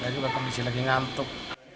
saya juga kondisi lagi ngantuk